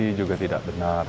penalti juga tidak benar